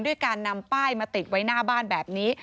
ด้วยการนำป้ายมาติดไว้หน้าบ้านแบบนี้